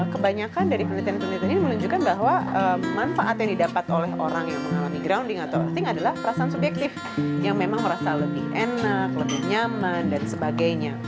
kebanyakan dari penelitian penelitian ini menunjukkan bahwa manfaat yang didapat oleh orang yang mengalami grounding atau earthing adalah perasaan subjektif yang memang merasa lebih enak lebih nyaman dan sebagainya